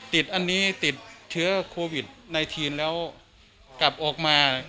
ติดอันนี้ติดเชื้อโควิด๑๙แล้วกลับออกมา